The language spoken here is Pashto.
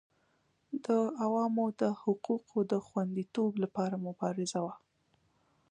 د عوامو د حقوقو د خوندیتوب لپاره مبارزه وه.